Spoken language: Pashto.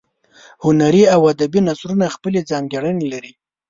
هنري او ادبي نثرونه خپلې ځانګړنې لري.